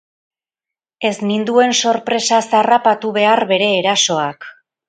Ez ninduen sorpresaz harrapatu behar bere erasoak.